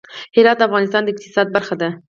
هرات د افغانستان د اقتصاد برخه ده.